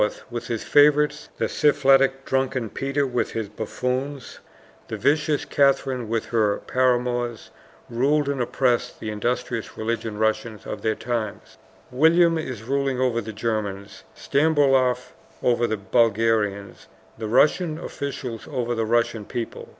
with his favorites, the syphilitic drunken Peter with his buffoons, the vicious Catherine with her paramours, ruled and oppressed the industrious religious Russians of their times. William is ruling over the Germans, Stambouloff over the Bulgarians, the Russian officials over the Russian people.